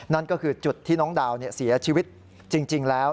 นั่นก็คือจุดที่น้องดาวเสียชีวิตจริงแล้ว